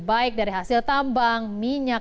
baik dari hasil tambang minyak